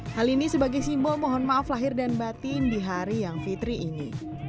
hal ini sebagai simbol mohon maaf lahir dan batin di hari yang fitri ini